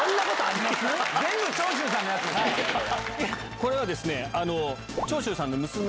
これはですね。